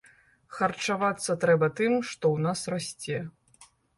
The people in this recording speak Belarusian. Харчавацца трэба тым, што ў нас расце.